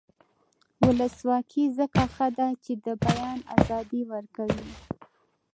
ولسواکي ځکه ښه ده چې د بیان ازادي ورکوي.